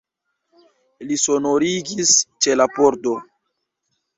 Li sonorigis ĉe la pordo.